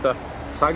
詐欺？